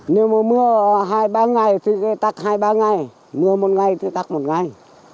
nếu mưa mưa hai ba ngày thì tắc hai ba ngày mưa một ngày thì tắc một ngày